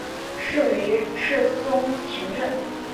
仕于赤松晴政。